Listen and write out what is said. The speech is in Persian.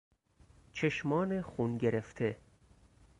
چشمان خون گرفته